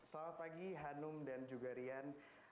selamat pagi hanum dan juga rian